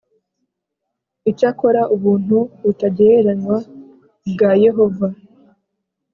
Icyakora ubuntu butagereranywa bwa Yehova